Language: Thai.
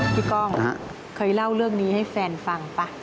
กล้องเคยเล่าเรื่องนี้ให้แฟนฟังป่ะ